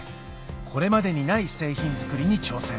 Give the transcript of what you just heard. これまでにない製品づくりに挑戦